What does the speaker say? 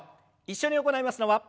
一緒に行いますのは。